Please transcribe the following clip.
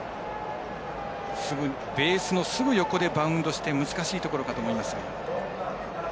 ベースのすぐ横でバウンドして難しいところだと思いますが。